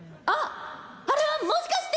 あれはもしかして！